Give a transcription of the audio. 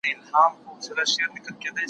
هولکي د وارخطا ورور دئ.